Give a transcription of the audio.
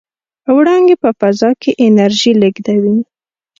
وړانګې په فضا کې انرژي لېږدوي.